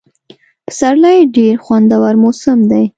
پسرلی ډېر خوندور موسم دی.